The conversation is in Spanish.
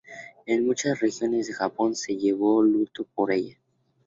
En muchas regiones de Japón se llevó luto por ella.